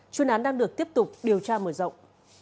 chuyên án đang được tiếp tục điều tra mở rộng